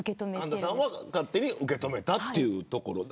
神田さんは勝手に受け止めたというところで。